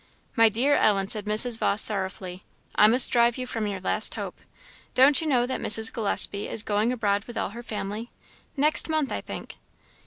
"My dear Ellen!" said Mrs. Vawse, sorrowfully, "I must drive you from your last hope. Don't you know that Mrs. Gillespie is going abroad with all her family? next month, I think."